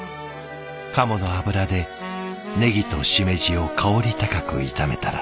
鴨の脂でネギとシメジを香り高く炒めたら。